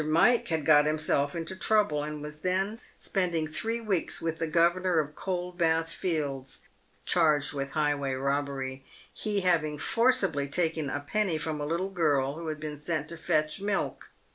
Mike had got himself into trouble, and was then spending three weeks with the governor of Coldbath fields, charged with highway robbery, he having forcibly taken a penny from a little girl who had been sent to fetch milk.